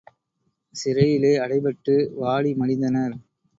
சிறையிலே அடைபட்டு, வாடி மடிந்தனர்.